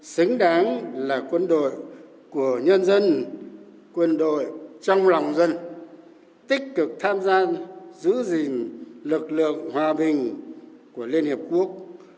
xứng đáng là quân đội của nhân dân quân đội trong lòng dân tích cực tham gia giữ gìn lực lượng hòa bình của liên hiệp quốc